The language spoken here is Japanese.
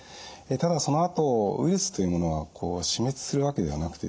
ただそのあとウイルスというものは死滅するわけではなくてですね